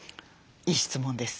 いい質問です。